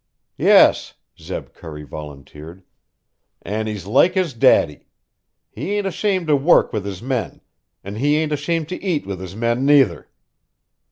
"Yes," Zeb Curry volunteered, "an' he's like his daddy. He ain't ashamed to work with his men, an' he ain't ashamed to eat with his men, nuther.